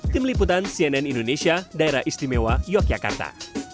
tim liputan cnn indonesia daerah istimewa yogyakarta